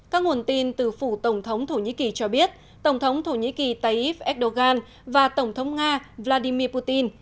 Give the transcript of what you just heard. các nguồn tin từ phủ tổng thống thổ nhĩ kỳ cho biết tổng thống thổ nhĩ kỳ tayyip erdogan và tổng thống nga vladimir putin